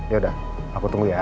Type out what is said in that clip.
yaudah aku tunggu ya